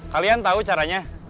kalian tahu caranya